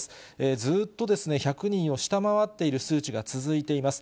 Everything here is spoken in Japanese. ずっと１００人を下回っている数値が続いています。